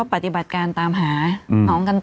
ปฏิบัติการตามหาน้องกันต่อ